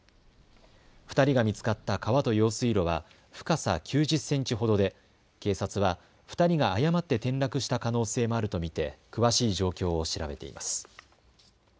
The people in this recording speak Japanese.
２人が見つかった川と用水路は深さ９０センチほどで警察は２人が誤って転落した可能性もあると見て詳しい状況を調べています。